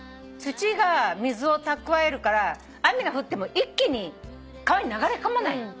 土が水を蓄えるから雨が降っても一気に川に流れ込まない。